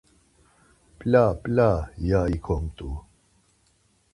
P̌la, p̌la, ya ikomt̆u.